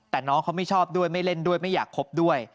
แต่น้องเขาไม่ชอบด้วยไม่เล่นด้วยไม่อยากคบด้วย